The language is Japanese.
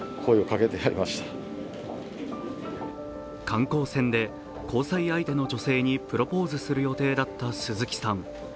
観光船で交際相手の女性にプロポーズする予定だった鈴木さん。